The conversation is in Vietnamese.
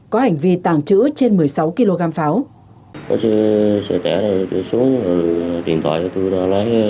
có hành vi tàng trữ trên một mươi sáu kg pháo